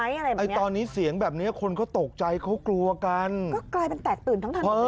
อะไรบ้างไอ้ตอนนี้เสียงแบบเนี้ยคนเขาตกใจเขากลัวกันก็กลายเป็นแตกตื่นทั้งถนน